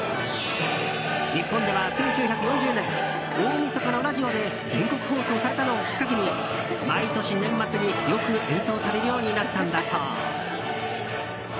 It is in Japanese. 日本では１９４０年大みそかのラジオで全国放送されたのをきっかけに毎年、年末によく演奏されるようになったんだそう。